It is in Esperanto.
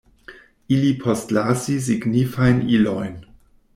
Ili postlasis signifajn ilojn.